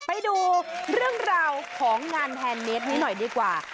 ไปดูเรื่องราวของงานแฮนดเนสให้หน่อยดีกว่า